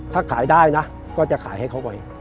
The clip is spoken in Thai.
ถ้าขายได้นะก็จะขายให้เขาบ่อย